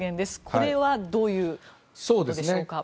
これはどういうことでしょうか。